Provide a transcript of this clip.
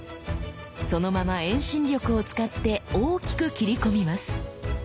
そのまま遠心力を使って大きく斬り込みます。